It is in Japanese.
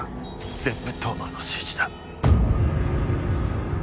全部当麻の指示だ。